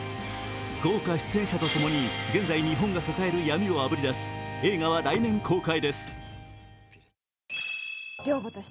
豪華出演者と共に現在、日本が抱える闇をあぶり出す映画は来年公開です。